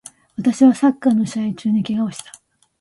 私はサッカーの試合中に怪我をした